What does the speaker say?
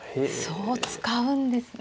そう使うんですね。